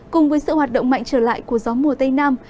cùng với sự hoạt động mạnh trở lại của gió mùa tây nam